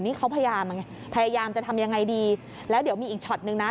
นี่เขาพยายามจะทำยังไงดีแล้วเดี๋ยวมีอีกช็อตหนึ่งนะ